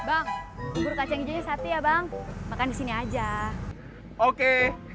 bang buru kaceng jenis satu ya bang makan sini aja oke